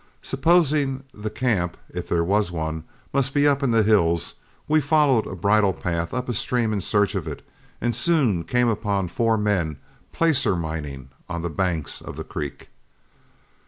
Supposing the camp, if there was one, must be up in the hills, we followed a bridle path up stream in search of it, and soon came upon four men, placer mining on the banks of the creek.